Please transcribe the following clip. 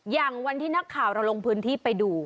อย่างวันที่นักข่าวเราลงพื้นที่ไปดู